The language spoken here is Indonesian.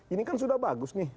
ini kan sudah bagus nih